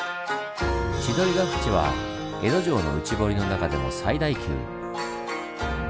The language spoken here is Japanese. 千鳥ヶ淵は江戸城の内堀の中でも最大級。